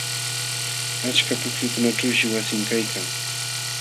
Achka pukyukunaćhuushi wasin kaykan.